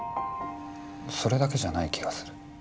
それだけじゃない気がする。